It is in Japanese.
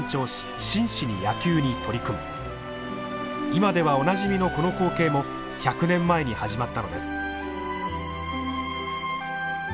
今ではおなじみのこの光景も１００年前に始まったのです。